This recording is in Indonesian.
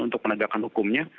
untuk menegakkan hukumnya